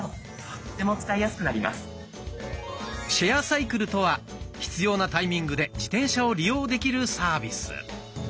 シェアサイクルとは必要なタイミングで自転車を利用できるサービス。